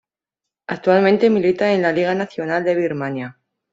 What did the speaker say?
Actualmente milita en la Liga Nacional de Birmania.